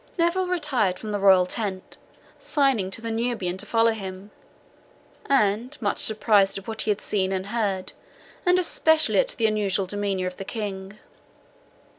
Neville retired from the royal tent, signing to the Nubian to follow him, and much surprised at what he had seen and heard, and especially at the unusual demeanour of the King.